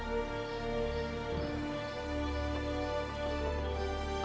aku sangat rindukan ibu